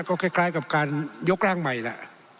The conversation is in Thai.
ก็คล้ายกับการยกร่างใหม่แหละ